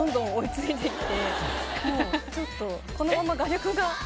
このまま画力が。